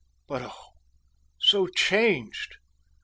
But, oh! so changed!